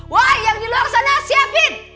wah yang di luar sana siapin